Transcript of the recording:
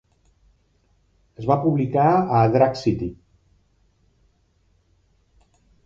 Es va publicar a Drag City.